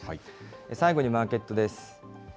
最後にマーケットです。